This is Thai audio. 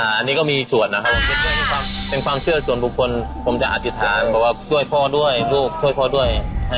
อันนี้ก็มีส่วนนะครับเป็นความเชื่อส่วนบุคคลผมจะอธิษฐานบอกว่าช่วยพ่อด้วยลูกช่วยพ่อด้วย